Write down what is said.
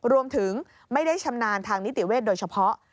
รวมถึงไม่ได้ชำนาญทางนิติเวทโดยเฉพาะ